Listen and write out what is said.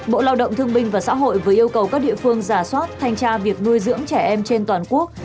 bộ lao động thương minh và xã hội vừa yêu cầu các địa phương giả soát thanh tra việc nuôi dưỡng trẻ em trên toàn quốc